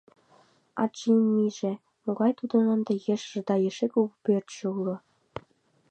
А Джиммиже — могай тудын ынде ешыже да эше кугу пӧртшӧ уло.